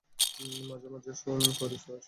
মাঝে মাঝে করি, স্যার।